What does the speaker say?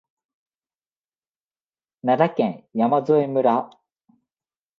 奈良県山添村